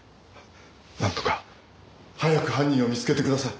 なんとか早く犯人を見つけてください。